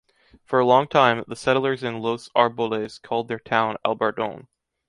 For a long time, the settlers in Los Árboles called their town Albardón.